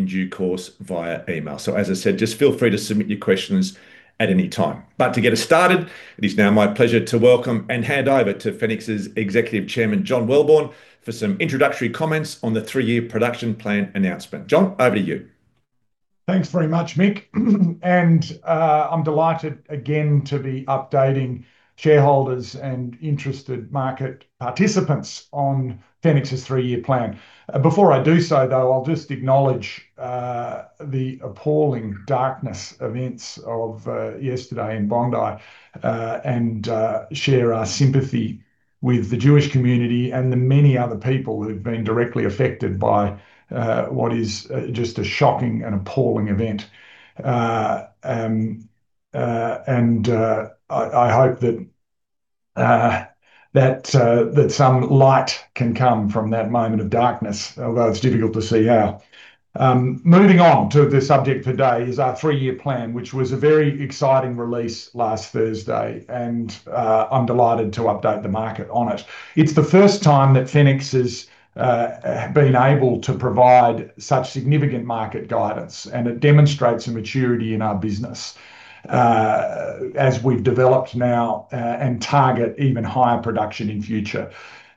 In due course via email. So, as I said, just feel free to submit your questions at any time. But to get us started, it is now my pleasure to welcome and hand over to Fenix's Executive Chairman, John Welborn, for some introductory comments on the three-year production plan announcement. John, over to you. Thanks very much, Mick, and I'm delighted again to be updating shareholders and interested market participants on Fenix's three-year plan. Before I do so, though, I'll just acknowledge the appalling darkness events of yesterday in Bondi and share our sympathy with the Jewish community and the many other people who've been directly affected by what is just a shocking and appalling event, and I hope that some light can come from that moment of darkness, although it's difficult to see how. Moving on to the subject for today is our three-year plan, which was a very exciting release last Thursday, and I'm delighted to update the market on it. It's the first time that Fenix has been able to provide such significant market guidance, and it demonstrates a maturity in our business as we've developed now and target even higher production in future.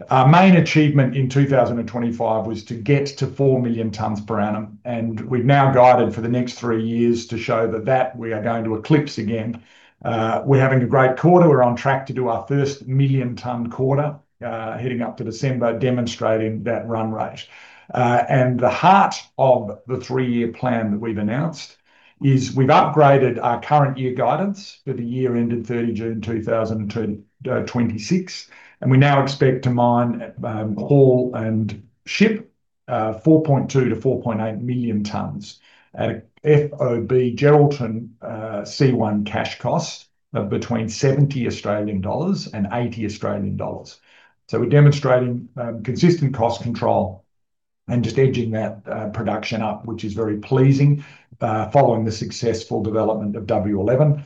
Our main achievement in 2025 was to get to 4 million tonnes per annum, and we've now guided for the next three years to show that we are going to eclipse again. We're having a great quarter. We're on track to do our first million-tonne quarter heading up to December, demonstrating that run rate. And the heart of the three-year plan that we've announced is we've upgraded our current year guidance for the year ended 30 June 2026, and we now expect to mine, haul and ship 4.2 million-4.8 million tonnes at FOB Geraldton C1 cash cost between 70 Australian dollars and 80 Australian dollars. So we're demonstrating consistent cost control and just edging that production up, which is very pleasing following the successful development of W11.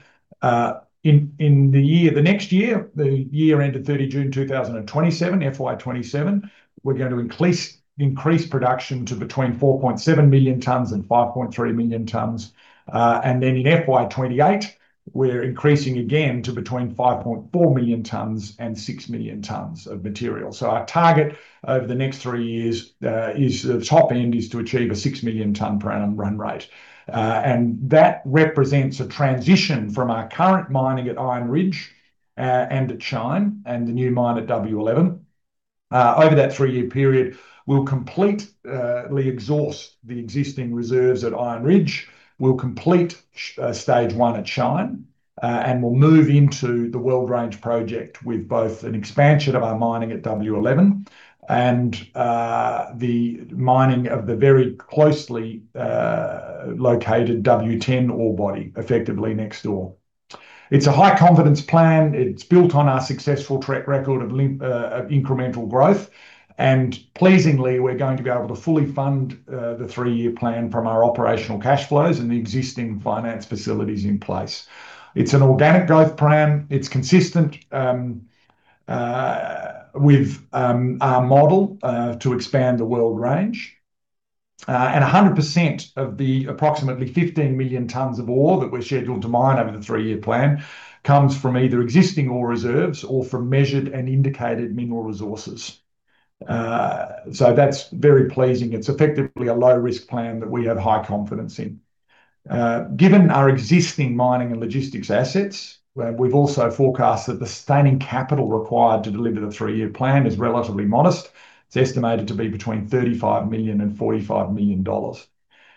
In the next year, the year ended 30 June 2027, FY 2027, we're going to increase production to between 4.7 million tonnes and 5.3 million tonnes. And then in FY 2028, we're increasing again to between 5.4 million tonnes and 6 million tonnes of material. So our target over the next three years is the top end is to achieve a 6 million tonne per annum run rate. And that represents a transition from our current mining at Iron Ridge and at Shine and the new mine at W11. Over that three-year period, we'll completely exhaust the existing reserves at Iron Ridge, we'll complete stage one at Shine, and we'll move into the Weld Range Project with both an expansion of our mining at W11 and the mining of the very closely located W10 ore body, effectively next door. It's a high-confidence plan. It's built on our successful track record of incremental growth. And pleasingly, we're going to be able to fully fund the three-year plan from our operational cash flows and the existing finance facilities in place. It's an organic growth plan. It's consistent with our model to expand the Weld Range. And 100% of the approximately 15 million tonnes of ore that we're scheduled to mine over the three-year plan comes from either existing ore reserves or from measured and indicated mineral resources. So that's very pleasing. It's effectively a low-risk plan that we have high confidence in. Given our existing mining and logistics assets, we've also forecast that the sustaining capital required to deliver the three-year plan is relatively modest. It's estimated to be between 35 million and 45 million dollars.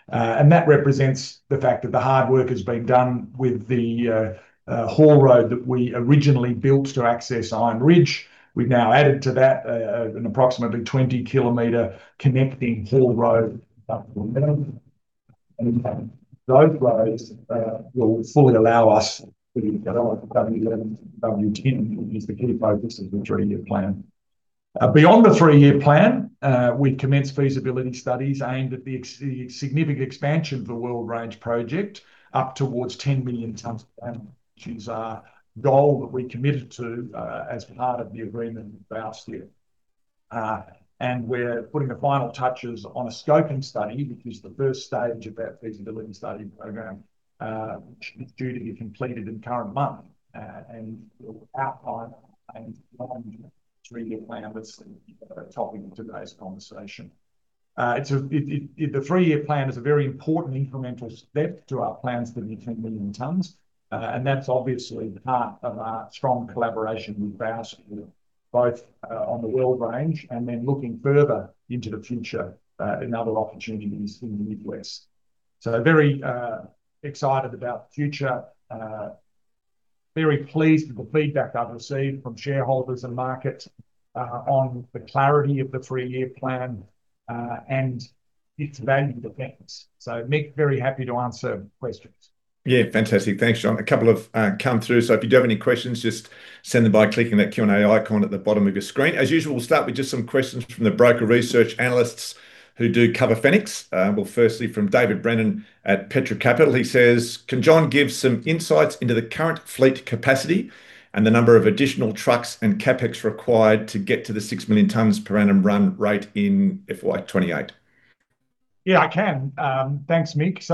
And that represents the fact that the hard work has been done with the haul road that we originally built to access Iron Ridge. We've now added to that an approximately 20 km connecting haul road. Those roads will fully allow us to get on to W11 and W10, which is the key focus of the three-year plan. Beyond the three-year plan, we've commenced feasibility studies aimed at the significant expansion of the Weld Range Project up towards 10 million tonnes, which is our goal that we committed to as part of the agreement last year. And we're putting the final touches on a scoping study, which is the first stage of that feasibility study program, which is due to be completed in the current month and will outline the three-year plan as the topic of today's conversation. The three-year plan is a very important incremental step to our plans for the 10 million tonnes, and that's obviously part of our strong collaboration with Baowu, both on the Weld Range and then looking further into the future in other opportunities in the Mid West. So very excited about the future, very pleased with the feedback I've received from shareholders and markets on the clarity of the three-year plan and its value to Fenix. So, Mick, very happy to answer questions. Yeah, fantastic. Thanks, John. A couple have come through, so if you do have any questions, just send them by clicking that Q&A icon at the bottom of your screen. As usual, we'll start with just some questions from the broker research analysts who do cover Fenix. We'll first see from David Brennan at Petra Capital. He says, "Can John give some insights into the current fleet capacity and the number of additional trucks and CapEx required to get to the 6 million tonnes per annum run rate in FY 2028? Yeah, I can. Thanks, Mick.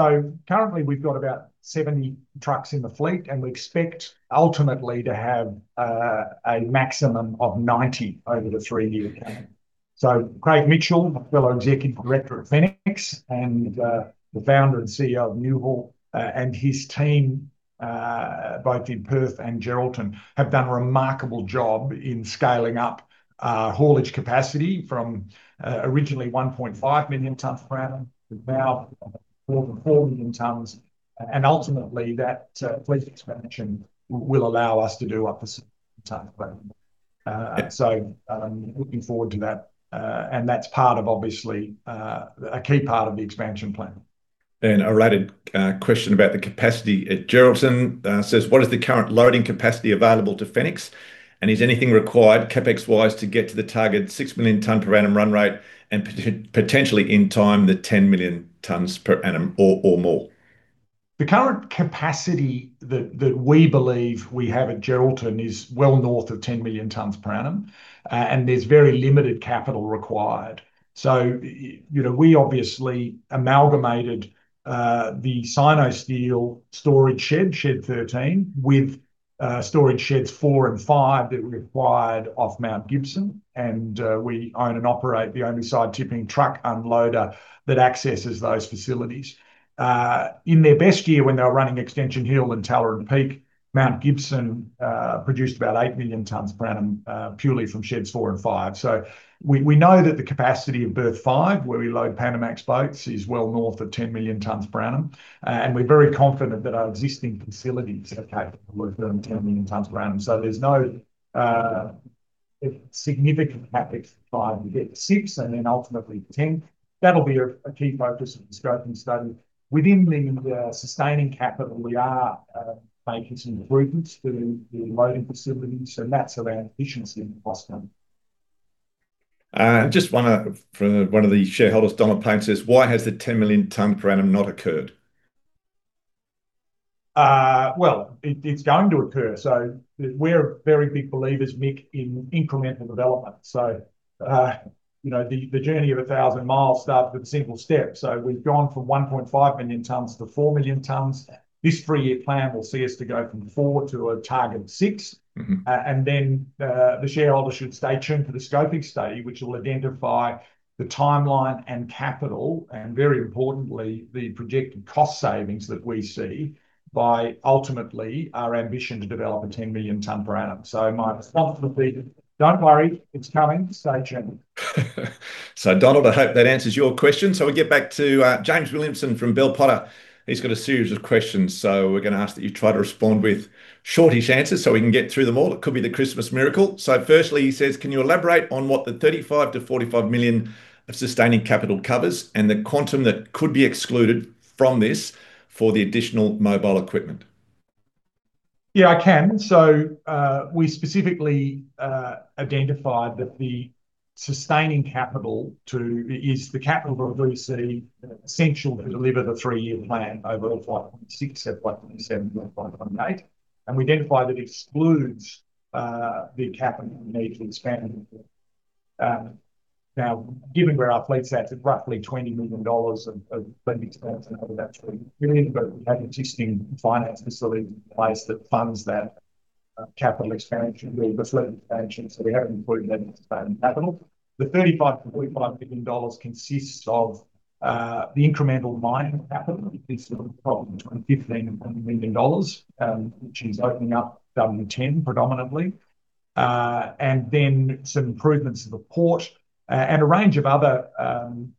Currently, we've got about 70 trucks in the fleet, and we expect ultimately to have a maximum of 90 over the three-year plan. Craig Mitchell, fellow Executive Director at Fenix and the founder and CEO of Newhaul, and his team, both in Perth and Geraldton, have done a remarkable job in scaling up haulage capacity from originally 1.5 million tonnes per annum to now more than 4 million tonnes. Ultimately, that fleet expansion will allow us to do up to 6 million tonnes. Looking forward to that. That's part of, obviously, a key part of the expansion plan. Then a related question about the capacity at Geraldton says, "What is the current loading capacity available to Fenix, and is anything required CapEx-wise to get to the target 6 million tonnes per annum run rate and potentially in time the 10 million tonnes per annum or more? The current capacity that we believe we have at Geraldton is well north of 10 million tonnes per annum, and there's very limited capital required. So we obviously amalgamated the Sinosteel storage shed, Shed 13, with storage Sheds 4 and 5 that we acquired off Mount Gibson, and we own and operate the only side-tipping truck unloader that accesses those facilities. In their best year, when they were running Extension Hill and Tallering Peak, Mount Gibson produced about 8 million tonnes per annum purely from Sheds 4 and 5. So we know that the capacity of Berth 5, where we load Panamax boats, is well north of 10 million tonnes per annum, and we're very confident that our existing facilities are capable of loading 10 million tonnes per annum. So there's no significant CapEx to 5 to get to 6 and then ultimately 10. That'll be a key focus of the scoping study. Within the sustaining capital, we are making some improvements to the loading facilities, and that's around efficiency and cost management. I just want to, from one of the shareholders, Donald Payne says, "Why has the 10 million tonnes per annum not occurred? Well, it's going to occur. So we're very big believers, Mick, in incremental development. So the journey of 1,000 miles starts with a single step. So we've gone from 1.5 million tonnes to 4 million tonnes. This three-year plan will see us to go from 4 to a target of 6. And then the shareholders should stay tuned to the scoping study, which will identify the timeline and capital, and very importantly, the projected cost savings that we see by ultimately our ambition to develop a 10 million tonnes per annum. So my response would be, "Don't worry, it's coming. Stay tuned. So, Donald, I hope that answers your question. So we get back to James Williamson from Bell Potter. He's got a series of questions, so we're going to ask that you try to respond with shortish answers so we can get through them all. It could be the Christmas miracle. So firstly, he says, "Can you elaborate on what the 35 million-45 million of sustaining capital covers and the quantum that could be excluded from this for the additional mobile equipment?" Yeah, I can. So we specifically identified that the sustaining capital is the capital that we see essential to deliver the three-year plan over FY 2026, FY 2027, and FY 2028. And we identified that excludes the capital need to expand. Now, given where our fleet's at, it's roughly 20 million dollars of fleet expense, and over that 20 million, but we have existing finance facilities in place that funds that capital expansion with the fleet expansion, so we haven't included that in expanding capital. The AUD 35 million-AUD 45 million consists of the incremental mining capital. This would probably be between 15 million-20 million dollars, which is opening up W10 predominantly, and then some improvements to the port and a range of other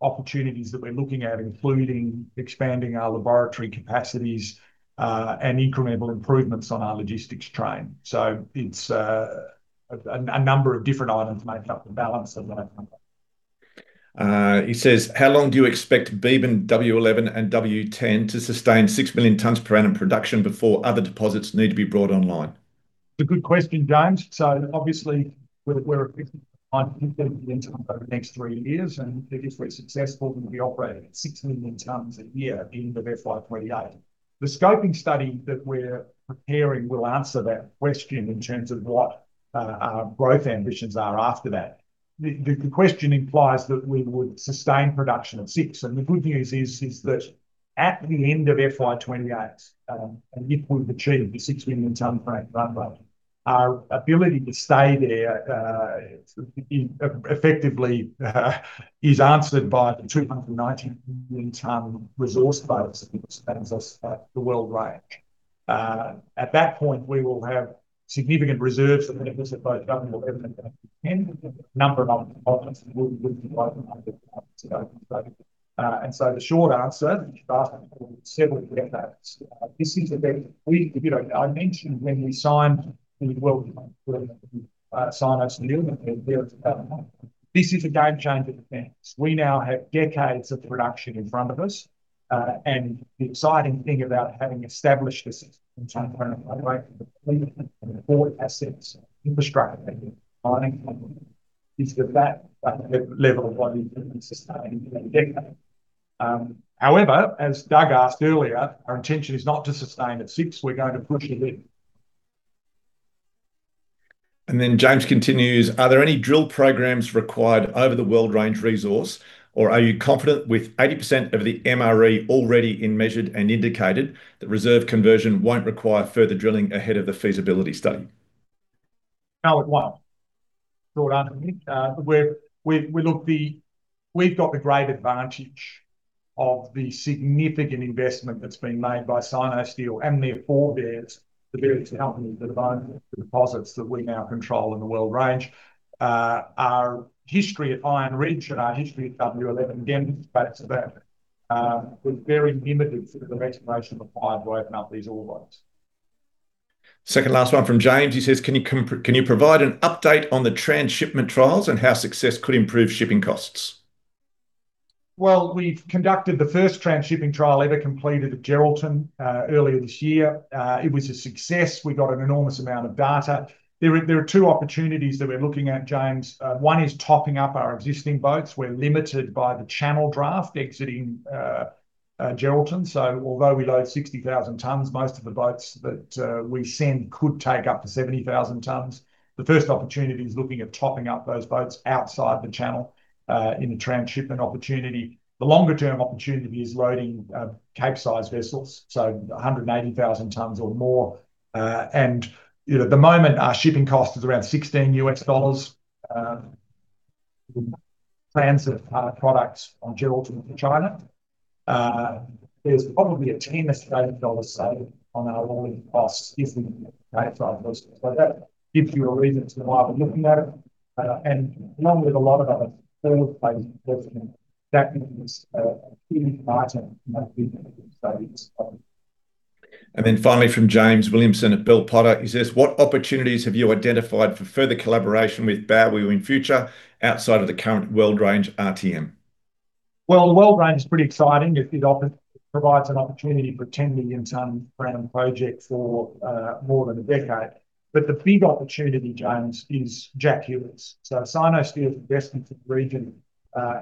opportunities that we're looking at, including expanding our laboratory capacities and incremental improvements on our logistics train. So it's a number of different items made up to balance the load number. He says, "How long do you expect Beebyn-W11 and W10 to sustain 6 million tonnes per annum production before other deposits need to be brought online? It's a good question, James. So obviously, we're expecting to expand the increment over the next three years, and if we're successful, we'll be operating at 6 million tonnes a year at the end of FY 2028. The scoping study that we're preparing will answer that question in terms of what our growth ambitions are after that. The question implies that we would sustain production at 6, and the good news is that at the end of FY 2028, and if we've achieved the 6 million tonne per annum run rate, our ability to stay there effectively is answered by the 290 million tonne resource base that expands us at the Weld Range. At that point, we will have significant reserves that we'll look at both W11 and W10. A number of our deposits will be with the W11 and W10 deposits. And so the short answer, the fast answer, we'll settle to get that. This is a big deal. I mentioned when we signed the Weld Range agreement with Sinosteel, this is a game changer for Fenix. We now have decades of production in front of us, and the exciting thing about having established a 6 million tonne per annum run rate for the fleet and the port assets and infrastructure and mining companies is that that's at the level of what we've been sustaining for decades. However, as Doug asked earlier, our intention is not to sustain at 6. We're going to push a bit. Then James continues, "Are there any drill programs required over the Weld Range resource, or are you confident with 80% of the MRE already in measured and indicated that reserve conversion won't require further drilling ahead of the feasibility study? No, it won't. Short answer, Mick. We've got the great advantage of the significant investment that's been made by Sinosteel and their forebears, the various companies that have owned the deposits that we now control in the Weld Range. Our history at Iron Ridge and our history at W11 demonstrates that we're very limited to the restoration required to open up these ore bodies. Second last one from James. He says, "Can you provide an update on the transshipment trials and how success could improve shipping costs? Well, we've conducted the first transshipment trial ever completed at Geraldton earlier this year. It was a success. We got an enormous amount of data. There are two opportunities that we're looking at, James. One is topping up our existing boats. We're limited by the channel draft exiting Geraldton. So although we load 60,000 tonnes, most of the boats that we send could take up to 70,000 tonnes. The first opportunity is looking at topping up those boats outside the channel in a transshipment opportunity. The longer-term opportunity is loading Capesize vessels, so 180,000 tonnes or more, and at the moment, our shipping cost is around $16 with plans of products on Geraldton to China. There's probably a 10 million Australian dollar saving on our hauling costs using the Capesize vessels. So that gives you a reason to why we're looking at it. Along with a lot of other forward-facing investments, that means huge margin of business savings. Then finally from James Williamson at Bell Potter, he says, "What opportunities have you identified for further collaboration with Baowu in future outside of the current Weld Range RTM? The Weld Range is pretty exciting. It provides an opportunity for a 10 million tonne per annum project for more than a decade. But the big opportunity, James, is Jack Hills. So Sinosteel's investments in the region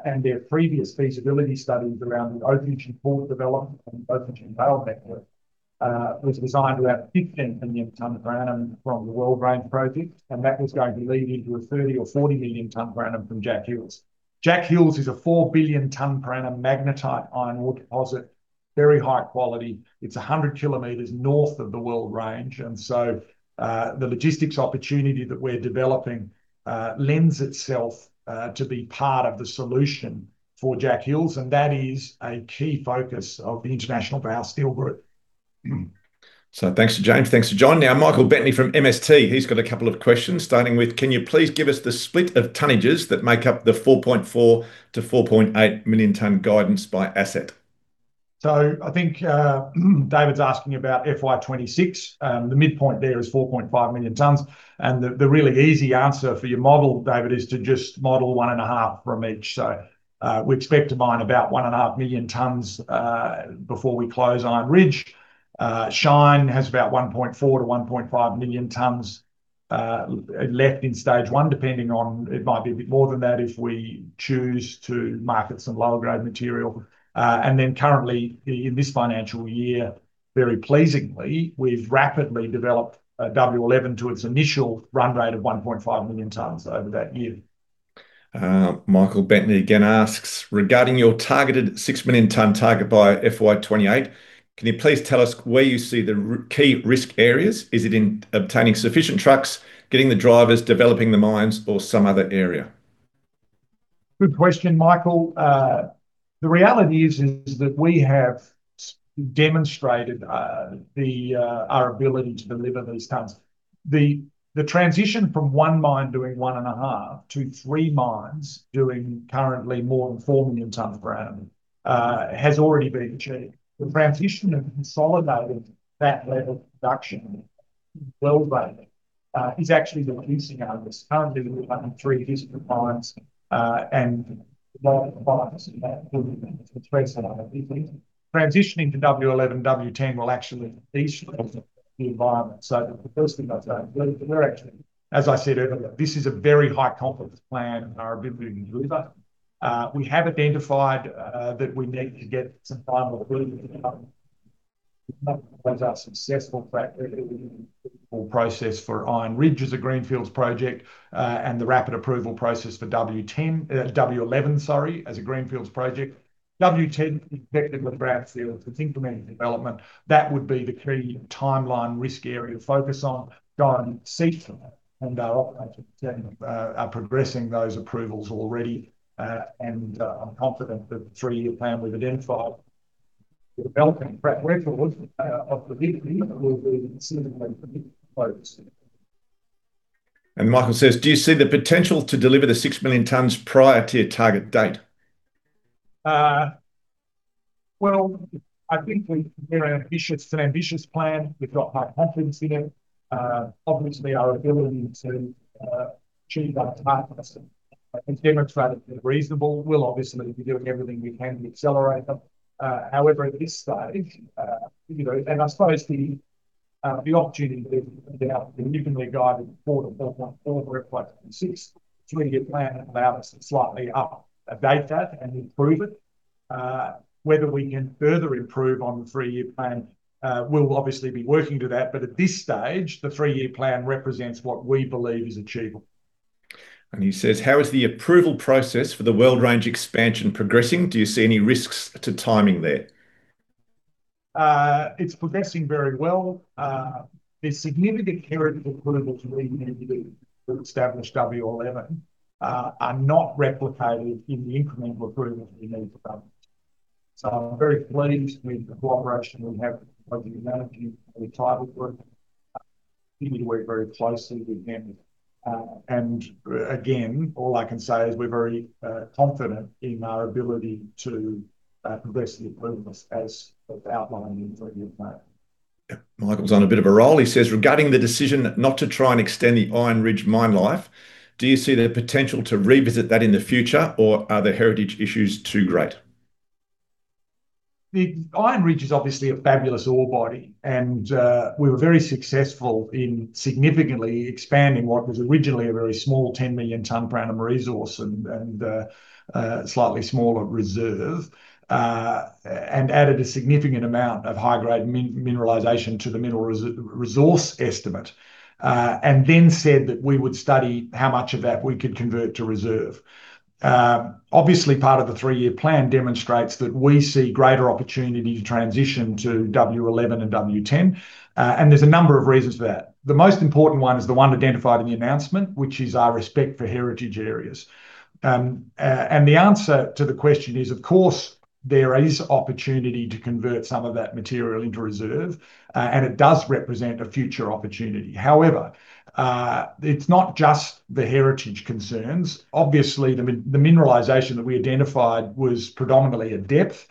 and their previous feasibility studies around the Oakajee Port development and Oakajee Rail Network was designed around 15 million tonnes per annum from the Weld Range Project, and that was going to lead into a 30 or 40 million tonne per annum from Jack Hills. Jack Hills is a 4 billion tonne per annum magnetite iron ore deposit, very high quality. It's 100 km north of the Weld Range, and so the logistics opportunity that we're developing lends itself to be part of the solution for Jack Hills, and that is a key focus of the international Baowu Steel Group. Thanks to James. Thanks to John. Now, Michael Bentley from MST, he's got a couple of questions, starting with, "Can you please give us the split of tonnages that make up the 4.4 million-4.8 million tonne guidance by asset? So I think David's asking about FY 2026. The midpoint there is 4.5 million tonnes, and the really easy answer for your model, David, is to just model one and a half from each. So we expect to mine about one and a half million tonnes before we close Iron Ridge. Shine has about 1.4 million to 1.5 million tonnes left in stage one, depending on it might be a bit more than that if we choose to market some lower-grade material. And then currently, in this financial year, very pleasingly, we've rapidly developed W11 to its initial run rate of 1.5 million tonnes over that year. Michael Bentley again asks, "Regarding your targeted 6 million tonne target by FY 2028, can you please tell us where you see the key risk areas? Is it in obtaining sufficient trucks, getting the drivers, developing the mines, or some other area? Good question, Michael. The reality is that we have demonstrated our ability to deliver these tonnes. The transition from one mine doing one and a half to three mines doing currently more than 4 million tonnes per annum has already been achieved. The transition of consolidating that level of production in the Weld Range is actually reducing our risk. Currently, we're running three distant mines and multiple mines, and that could be potentially our weakness. Transitioning to W11 and W10 will actually de-stress the environment. So the first thing I'd say, we're actually, as I said earlier, this is a very high-confidence plan in our ability to deliver. We have identified that we need to get some final approval to come with our successful fast-track approval process for Iron Ridge as a greenfields project and the rapid approval process for W11, sorry, as a greenfields project. W10 is expected with Baowu Steel for its incremental development. That would be the key timeline risk area to focus on. Goran Seet and our operations team are progressing those approvals already, and I'm confident that the three-year plan we've identified, developing track record of the W11, will be significantly focused. Michael says, "Do you see the potential to deliver the 6 million tonnes prior to your target date? I think we have an ambitious plan. We've got high confidence in it. Obviously, our ability to achieve those targets and demonstrate that they're reasonable, we'll obviously be doing everything we can to accelerate them. However, at this stage, and I suppose the opportunity to be significantly guided for the 4.4-4.6 three-year plan allows us to slightly update that and improve it. Whether we can further improve on the three-year plan, we'll obviously be working to that, but at this stage, the three-year plan represents what we believe is achievable. He says, "How is the approval process for the Weld Range expansion progressing? Do you see any risks to timing there? It's progressing very well. The significant heritage approvals we need to do to establish W11 are not replicated in the incremental approvals we need to pursue. So I'm very pleased with the cooperation we have with the project management and the title group. We need to work very closely with them. And again, all I can say is we're very confident in our ability to progress the approvals as outlined in the three-year plan. Michael's on a bit of a roll. He says, "Regarding the decision not to try and extend the Iron Ridge mine life, do you see the potential to revisit that in the future, or are the heritage issues too great? The Iron Ridge is obviously a fabulous ore body, and we were very successful in significantly expanding what was originally a very small 10 million tonne per annum resource and slightly smaller reserve, and added a significant amount of high-grade mineralization to the mineral resource estimate, and then said that we would study how much of that we could convert to reserve. Obviously, part of the three-year plan demonstrates that we see greater opportunity to transition to W11 and W10, and there's a number of reasons for that. The most important one is the one identified in the announcement, which is our respect for heritage areas, and the answer to the question is, of course, there is opportunity to convert some of that material into reserve, and it does represent a future opportunity. However, it's not just the heritage concerns. Obviously, the mineralization that we identified was predominantly at depth,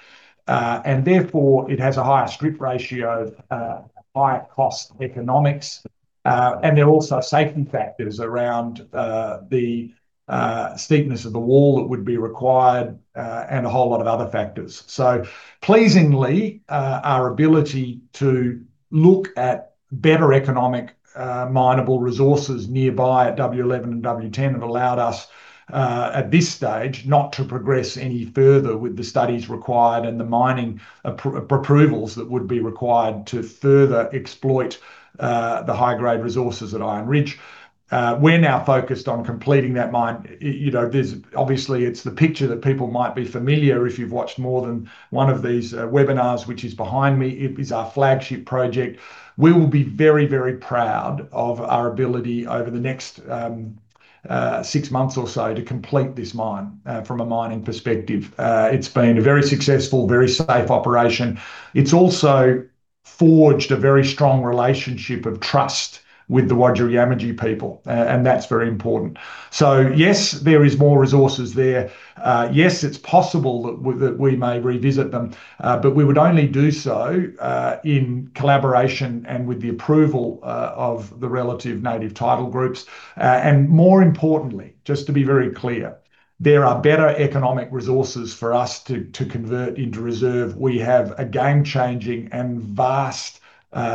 and therefore it has a higher strip ratio, higher cost economics, and there are also safety factors around the steepness of the wall that would be required and a whole lot of other factors. So pleasingly, our ability to look at better economic mineable resources nearby at W11 and W10 have allowed us at this stage not to progress any further with the studies required and the mining approvals that would be required to further exploit the high-grade resources at Iron Ridge. We're now focused on completing that mine. Obviously, it's the picture that people might be familiar with if you've watched more than one of these webinars, which is behind me. It is our flagship project. We will be very, very proud of our ability over the next six months or so to complete this mine from a mining perspective. It's been a very successful, very safe operation. It's also forged a very strong relationship of trust with the Wajarri Yamatji people, and that's very important. Yes, there are more resources there. Yes, it's possible that we may revisit them, but we would only do so in collaboration and with the approval of the relevant native title groups. More importantly, just to be very clear, there are better economic resources for us to convert into reserve. We have a game-changing and vast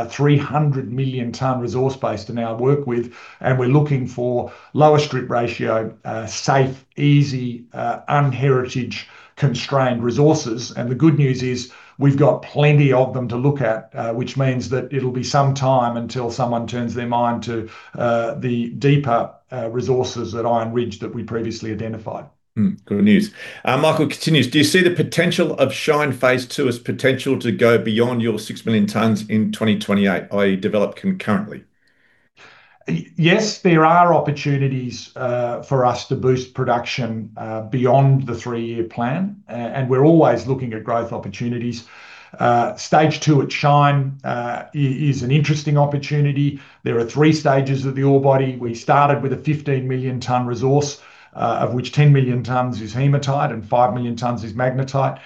300 million tonne resource base to now work with, and we're looking for lower strip ratio, safe, easy, unheritage-constrained resources. The good news is we've got plenty of them to look at, which means that it'll be some time until someone turns their mind to the deeper resources at Iron Ridge that we previously identified. Good news. Michael continues, "Do you see the potential of Shine phase two as potential to go beyond your 6 million tonnes in 2028, i.e., develop concurrently? Yes, there are opportunities for us to boost production beyond the three-year plan, and we're always looking at growth opportunities. Stage Two at Shine is an interesting opportunity. There are three stages of the ore body. We started with a 15 million tonne resource, of which 10 million tonnes is hematite and 5 million tonnes is magnetite.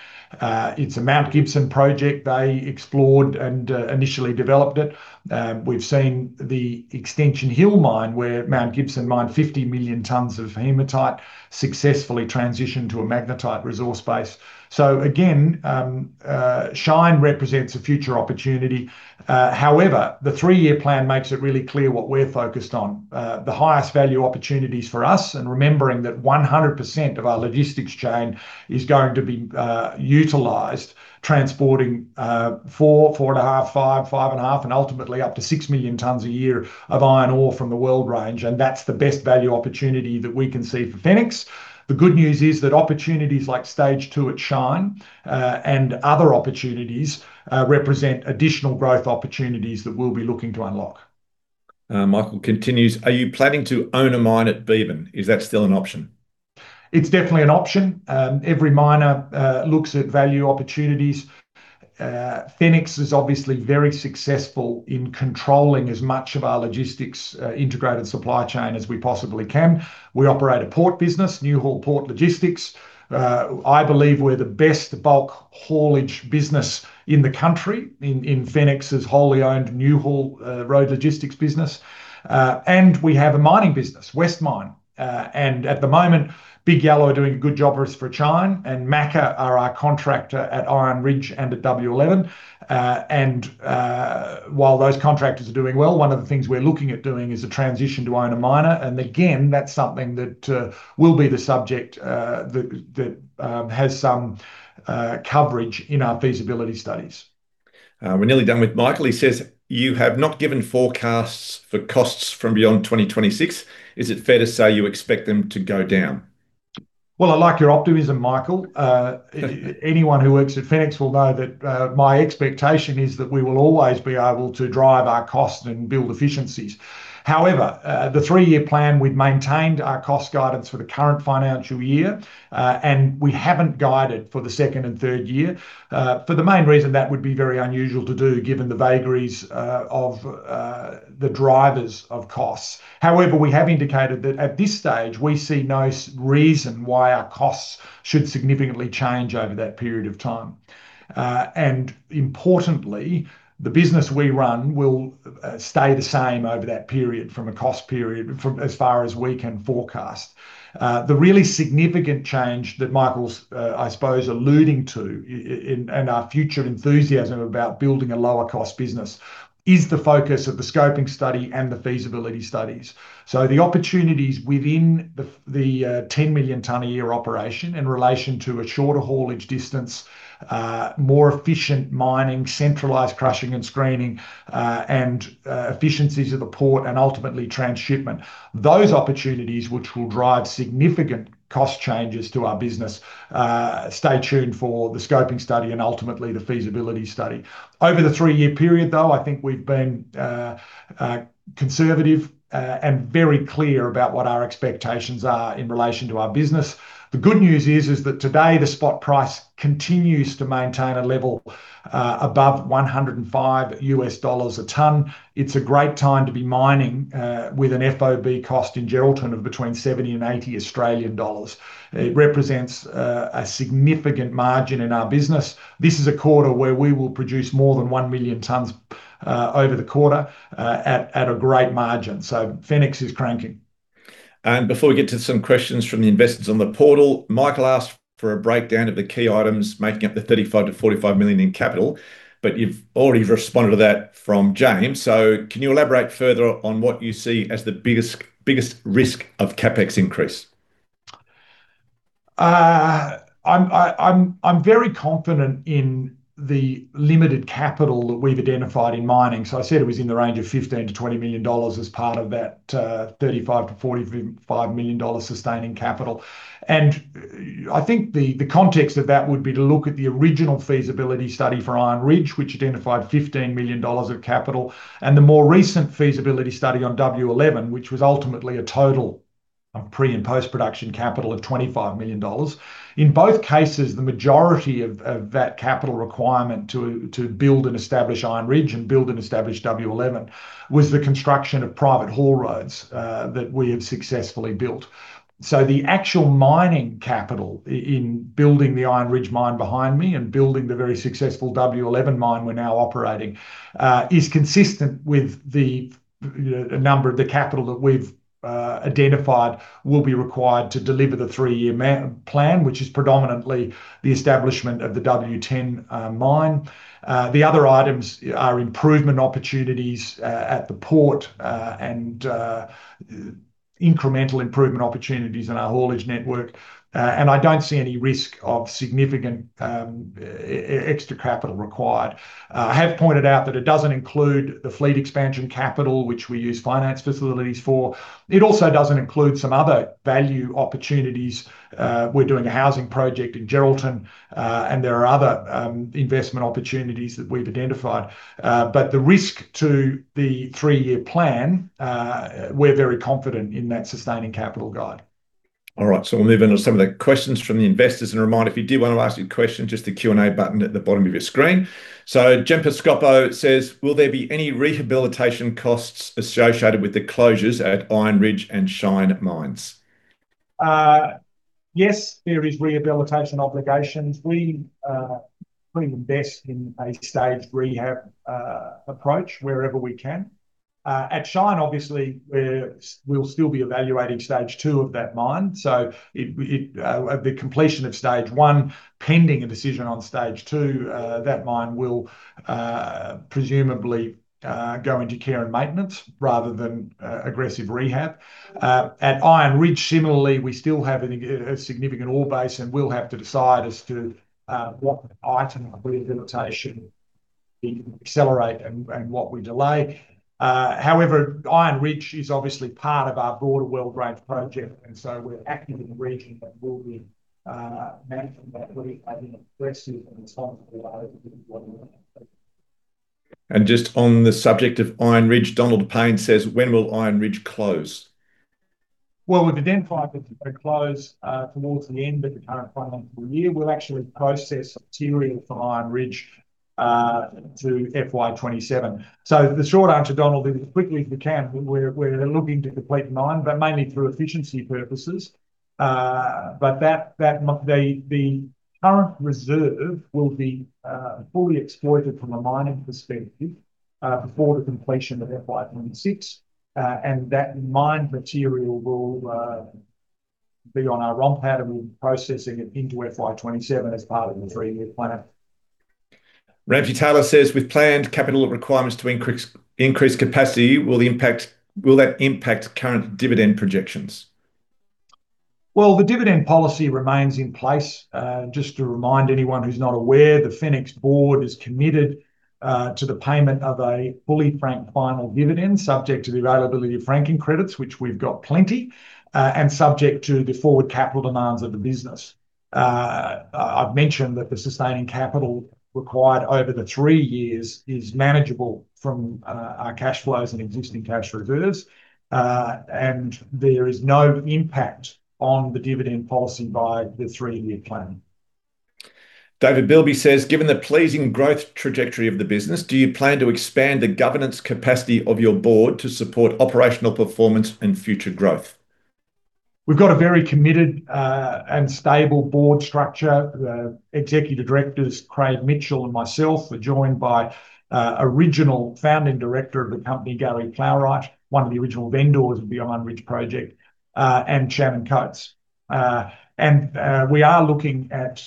It's a Mount Gibson Project. They explored and initially developed it. We've seen the Extension Hill mine where Mount Gibson mined 50 million tonnes of hematite successfully transitioned to a magnetite resource base. So again, Shine represents a future opportunity. However, the three-year plan makes it really clear what we're focused on: the highest value opportunities for us, and remembering that 100% of our logistics chain is going to be utilised, transporting four, four and a half, five, five and a half, and ultimately up to 6 million tonnes a year of iron ore from the Weld Range, and that's the best value opportunity that we can see for Fenix. The good news is that opportunities like Stage Two at Shine and other opportunities represent additional growth opportunities that we'll be looking to unlock. Mick continues, "Are you planning to own a mine at Beebyn? Is that still an option? It's definitely an option. Every miner looks at value opportunities. Fenix is obviously very successful in controlling as much of our logistics integrated supply chain as we possibly can. We operate a port business, Newhaul Port Logistics. I believe we're the best bulk haulage business in the country in Fenix's wholly owned Newhaul Road Logistics business. And we have a mining business, Westmine. And at the moment, Big Yellow are doing a good job for us for Shine, and MACA are our contractor at Iron Ridge and at W11. And while those contractors are doing well, one of the things we're looking at doing is a transition to own a miner, and again, that's something that will be the subject that has some coverage in our feasibility studies. We're nearly done with Michael. He says, "You have not given forecasts for costs from beyond 2026. Is it fair to say you expect them to go down? I like your optimism, Michael. Anyone who works at Fenix will know that my expectation is that we will always be able to drive our costs and build efficiencies. However, the three-year plan, we've maintained our cost guidance for the current financial year, and we haven't guided for the second and third year for the main reason that would be very unusual to do given the vagaries of the drivers of costs. However, we have indicated that at this stage, we see no reason why our costs should significantly change over that period of time, and importantly, the business we run will stay the same over that period from a cost perspective as far as we can forecast. The really significant change that Michael's, I suppose, alluding to and our future enthusiasm about building a lower-cost business is the focus of the scoping study and the feasibility studies. So the opportunities within the 10 million tonne a year operation in relation to a shorter haulage distance, more efficient mining, centralized crushing and screening, and efficiencies of the port, and ultimately transshipment, those opportunities which will drive significant cost changes to our business. Stay tuned for the scoping study and ultimately the feasibility study. Over the three-year period, though, I think we've been conservative and very clear about what our expectations are in relation to our business. The good news is that today the spot price continues to maintain a level above $105 a tonne. It's a great time to be mining with an FOB cost in Geraldton of between 70 and 80 Australian dollars. It represents a significant margin in our business. This is a quarter where we will produce more than 1 million tonnes over the quarter at a great margin. So Fenix is cranking. Before we get to some questions from the investors on the portal, Michael asked for a breakdown of the key items making up the 35 million-45 million in capital, but you've already responded to that from James. Can you elaborate further on what you see as the biggest risk of CapEx increase? I'm very confident in the limited capital that we've identified in mining. So I said it was in the range of 15 million-20 million dollars as part of that 35 million-45 million dollars sustaining capital. And I think the context of that would be to look at the original feasibility study for Iron Ridge, which identified 15 million dollars of capital, and the more recent feasibility study on W11, which was ultimately a total of pre and post-production capital of 25 million dollars. In both cases, the majority of that capital requirement to build and establish Iron Ridge and build and establish W11 was the construction of private haul roads that we have successfully built. The actual mining capital in building the Iron Ridge mine behind me and building the very successful W11 mine we're now operating is consistent with the number of the capital that we've identified will be required to deliver the three-year plan, which is predominantly the establishment of the W10 mine. The other items are improvement opportunities at the port and incremental improvement opportunities in our haulage network, and I don't see any risk of significant extra capital required. I have pointed out that it doesn't include the fleet expansion capital, which we use finance facilities for. It also doesn't include some other value opportunities. We're doing a housing project in Geraldton, and there are other investment opportunities that we've identified. The risk to the three-year plan, we're very confident in that sustaining capital guide. All right, so we'll move into some of the questions from the investors, and a reminder, if you do want to ask your question, just the Q&A button at the bottom of your screen, so [Jim Piscopo] says, "Will there be any rehabilitation costs associated with the closures at Iron Ridge and Shine mines? Yes, there are rehabilitation obligations. We invest in a staged rehab approach wherever we can. At Shine, obviously, we'll still be evaluating stage two of that mine. So the completion of stage one, pending a decision on stage two, that mine will presumably go into care and maintenance rather than aggressive rehab. At Iron Ridge, similarly, we still have a significant ore base, and we'll have to decide as to what item of rehabilitation we can accelerate and what we delay. However, Iron Ridge is obviously part of our broader Weld Range project, and so we're active in the region and will be managing that really as an aggressive and responsible overview of what we're going to do. And just on the subject of Iron Ridge, Donald Payne says, "When will Iron Ridge close? We've identified that it will close towards the end of the current financial year. We'll actually process material for Iron Ridge to FY 2027. The short answer, Donald, is as quickly as we can. We're looking to complete the mine, but mainly through efficiency purposes. The current reserve will be fully exploited from a mining perspective before the completion of FY 2026, and that mine material will be on our ROM pad, and we'll be processing it into FY 2027 as part of the three-year plan. [Ranfitalo] says, "With planned capital requirements to increase capacity, will that impact current dividend projections? The dividend policy remains in place. Just to remind anyone who's not aware, the Fenix board is committed to the payment of a fully franked final dividend, subject to the availability of franking credits, which we've got plenty, and subject to the forward capital demands of the business. I've mentioned that the sustaining capital required over the three years is manageable from our cash flows and existing cash reserves, and there is no impact on the dividend policy by the three-year plan. [David Bilby] says, "Given the pleasing growth trajectory of the business, do you plan to expand the governance capacity of your board to support operational performance and future growth? We've got a very committed and stable board structure. The executive directors, Craig Mitchell and myself, are joined by original founding director of the company, Gary Plowright, one of the original vendors of the Iron Ridge project, and Shannon Coates, and we are looking at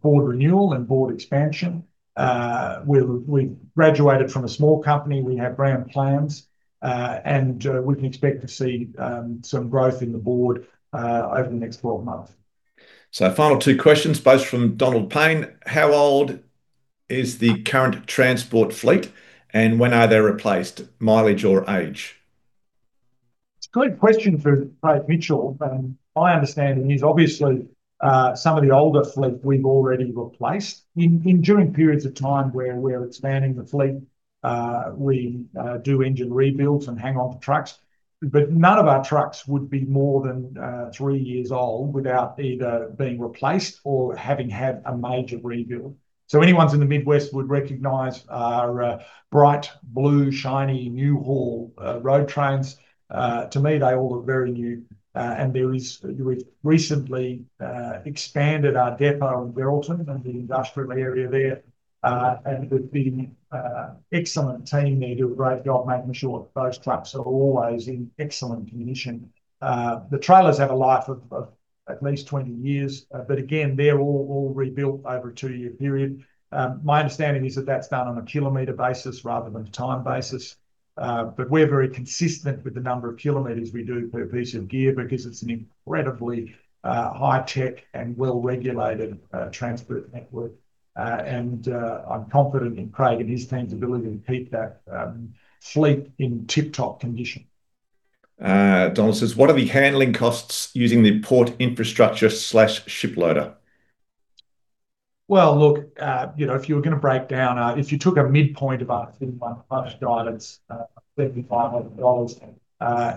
board renewal and board expansion. We've graduated from a small company. We have grand plans, and we can expect to see some growth in the board over the next 12 months. So, final two questions, both from Donald Payne. How old is the current transport fleet, and when are they replaced? Mileage or age? It's a great question for Craig Mitchell. I understand he's obviously some of the older fleet we've already replaced. In during periods of time where we're expanding the fleet, we do engine rebuilds and hang on to trucks, but none of our trucks would be more than three years old without either being replaced or having had a major rebuild, so anyone in the Mid West would recognise our bright, blue, shiny Newhaul road trains. To me, they all look very new, and we've recently expanded our depot in Geraldton and the industrial area there, and the excellent team there do a great job making sure that those trucks are always in excellent condition. The trailers have a life of at least 20 years, but again, they're all rebuilt over a two-year period. My understanding is that that's done on a kilometre basis rather than a time basis, but we're very consistent with the number of kilometres we do per piece of gear because it's an incredibly high-tech and well-regulated transport network, and I'm confident in Craig and his team's ability to keep that fleet in tip-top condition. Donald says, "What are the handling costs using the port infrastructure/ship loader? Well, look, if you were going to break down, if you took a midpoint of our three-month plus guidance, AUD 7,500,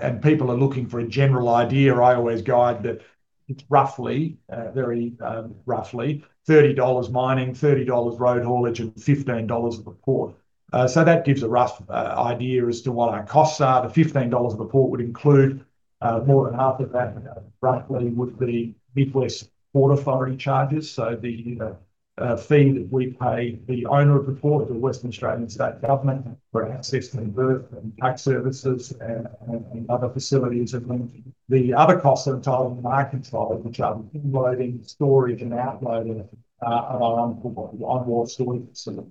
and people are looking for a general idea, I always guide that it's roughly, very roughly, 30 dollars mining, 30 dollars road haulage, and 15 dollars of the port. So that gives a rough idea as to what our costs are. The 15 dollars of the port would include more than half of that, roughly, would be Mid West Ports Authority charges, so the fee that we pay the owner of the port, the Western Australian State Government, for access to berth and tax services and other facilities. And then the other costs that are tied to our control, which are the loading, storage, and outloading of our onboard storage facility.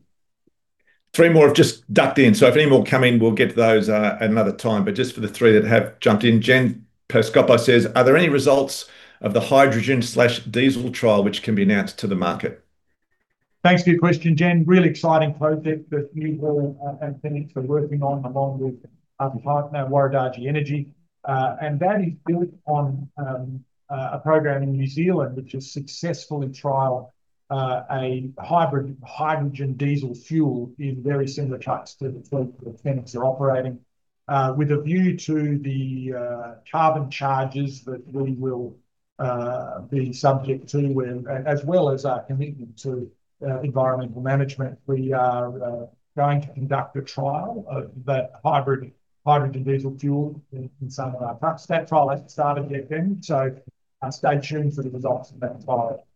Three more have just ducked in, so if any more come in, we'll get to those at another time. But just for the three that have jumped in, [Jim Piscopo] says, "Are there any results of the hydrogen/diesel trial which can be announced to the market? Thanks for your question, [Jim]. Really exciting project that Newhaul and Fenix are working on along with partner Wajarri Energy, and that is built on a program in New Zealand which has successfully trialed a hybrid hydrogen-diesel fuel in very similar types to the fleet that Fenix are operating. With a view to the carbon charges that we will be subject to, as well as our commitment to environmental management, we are going to conduct a trial of that hybrid hydrogen-diesel fuel in some of our trucks. That trial hasn't started yet, Gem, so stay tuned for the results of that trial.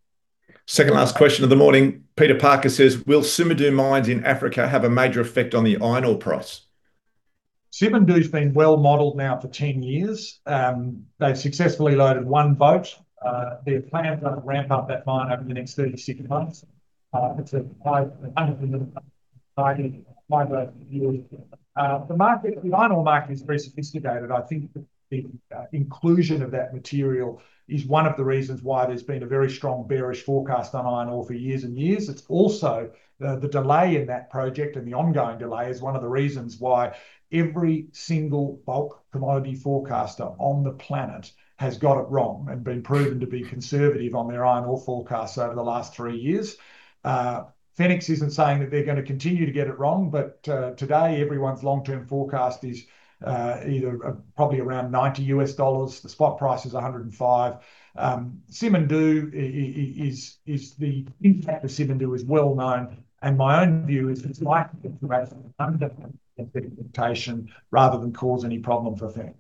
Second last question of the morning, Peter Parker says, "Will Simandou mines in Africa have a major effect on the iron ore price? Simandou's been well modelled now for 10 years. They've successfully loaded one boat. They plan to ramp up that mine over the next 36 months. It's a highly high-grade material. The iron ore market is very sophisticated. I think the inclusion of that material is one of the reasons why there's been a very strong bearish forecast on iron ore for years and years. It's also the delay in that project and the ongoing delay is one of the reasons why every single bulk commodity forecaster on the planet has got it wrong and been proven to be conservative on their iron ore forecasts over the last three years. Fenix isn't saying that they're going to continue to get it wrong, but today everyone's long-term forecast is either probably around $90. The spot price is $105. Simandou's impact is well known, and my own view is it's likely to rather than cause any problem for Fenix.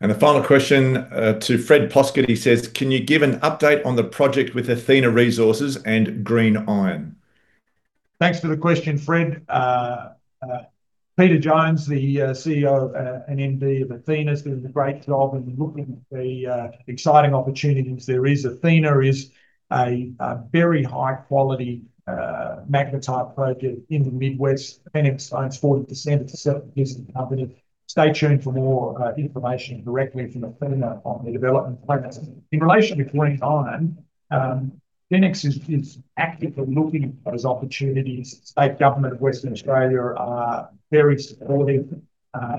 The final question to Fred Poschetti says, "Can you give an update on the project with Athena Resources and GreenIron? Thanks for the question, Fred. Peter Jones, the CEO and MD of Athena, is doing a great job in looking at the exciting opportunities there is. Athena is a very high-quality magnetite project in the Mid West. Fenix owns 40% of the 70% of the company. Stay tuned for more information directly from Athena on the development plans. In relation to GreenIron, Fenix is actively looking at those opportunities. The State Government of Western Australia are very supportive.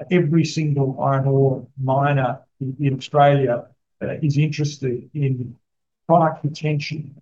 Every single iron ore miner in Australia is interested in product retention, value retention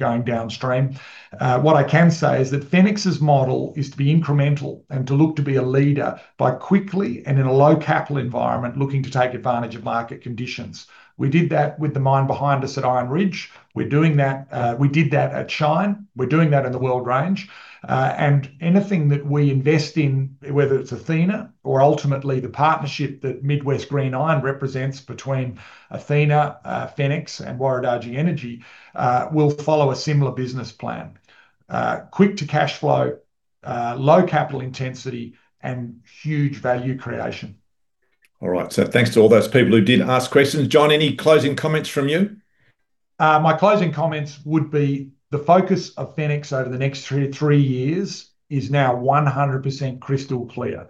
going downstream. What I can say is that Fenix's model is to be incremental and to look to be a leader by quickly and in a low-capital environment looking to take advantage of market conditions. We did that with the mine behind us at Iron Ridge. We're doing that. We did that at Shine. We're doing that in the Weld Range. And anything that we invest in, whether it's Athena or ultimately the partnership that Mid West GreenIron represents between Athena, Fenix, and Wajarri Energy, will follow a similar business plan. Quick to cash flow, low capital intensity, and huge value creation. All right, so thanks to all those people who did ask questions. John, any closing comments from you? My closing comments would be the focus of Fenix over the next three years is now 100% crystal clear.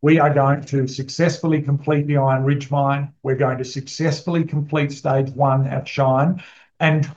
We are going to successfully complete the Iron Ridge mine. We're going to successfully complete stage one at Shine. And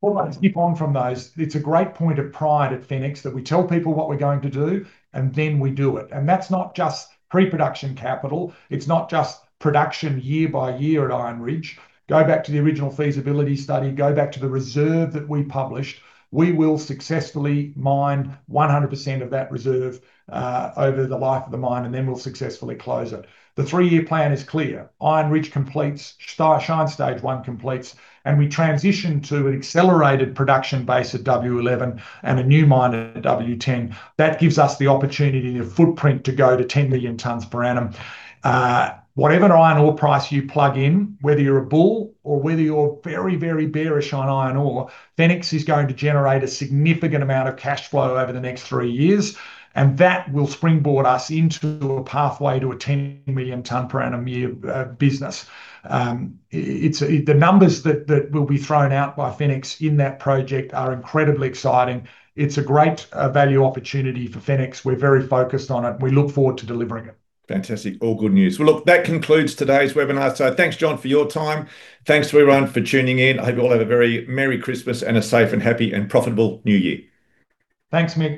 what I'd skip on from those, it's a great point of pride at Fenix that we tell people what we're going to do, and then we do it. And that's not just pre-production capital. It's not just production year by year at Iron Ridge. Go back to the original feasibility study. Go back to the reserve that we published. We will successfully mine 100% of that reserve over the life of the mine, and then we'll successfully close it. The three-year plan is clear. Iron Ridge completes, Shine stage one completes, and we transition to an accelerated production base at W11 and a new mine at W10. That gives us the opportunity and a footprint to go to 10 million tonnes per annum. Whatever iron ore price you plug in, whether you're a bull or whether you're very, very bearish on iron ore, Fenix is going to generate a significant amount of cash flow over the next three years, and that will springboard us into a pathway to a 10 million tonnes per annum year business. The numbers that will be thrown out by Fenix in that project are incredibly exciting. It's a great value opportunity for Fenix. We're very focused on it, and we look forward to delivering it. Fantastic. All good news. Well, look, that concludes today's webinar. So thanks, John, for your time. Thanks to everyone for tuning in. I hope you all have a very merry Christmas and a safe and happy and profitable new year. Thanks, Mick.